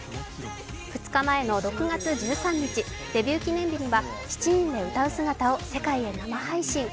２日前の６月１３日、デビュー記念日には７人で歌う姿を世界へ生配信。